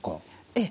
ええ。